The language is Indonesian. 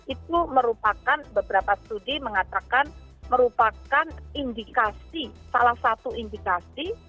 itu merupakan beberapa studi mengatakan merupakan indikasi salah satu indikasi